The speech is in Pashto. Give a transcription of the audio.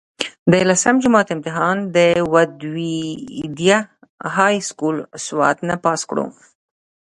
د لسم جمات امتحان د ودوديه هائي سکول سوات نه پاس کړو